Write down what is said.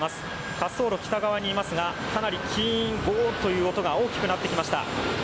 滑走路北側にいますがかなりキーン、ゴーッという音が大きくなってきました。